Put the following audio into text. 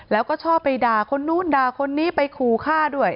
แล้วก็ชอบไปด่าคนนู้นด่าคนนี้ไปขู่ฆ่าด้วย